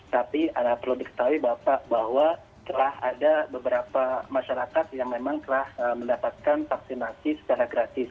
tapi perlu diketahui bapak bahwa telah ada beberapa masyarakat yang memang telah mendapatkan vaksinasi secara gratis